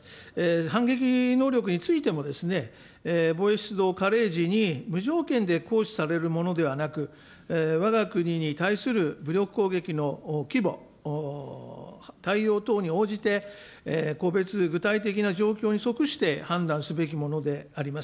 反撃能力についてもですね、防衛時に無条件で行使されるものではなく、わが国に対する武力攻撃の規模、対応等に応じて、個別具体的な状況に即して判断すべきものであります。